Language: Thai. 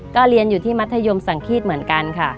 ก็เรียนอยู่ที่มัธยมสังฆีตเหมือนกันค่ะ